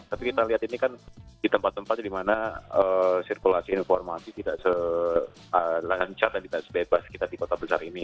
tapi kita lihat ini kan di tempat tempat di mana sirkulasi informasi tidak selancar dan tidak sebebas kita di kota besar ini